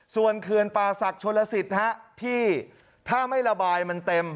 ส่วนเขื่อนป่าศักดิ์ชนลสิทธิ์ที่ถ้าไม่ระบายมันเต็ม